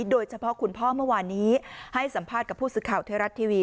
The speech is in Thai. โดยเฉพาะคุณพ่อเมื่อวานนี้ให้สัมภาษณ์กับผู้สื่อข่าวไทยรัฐทีวี